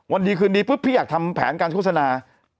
วันนี้คืนนี้พี่อยากทำแผนการโฆษณา